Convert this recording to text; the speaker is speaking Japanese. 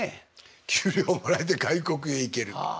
給料もらえて外国へ行ける。はあ。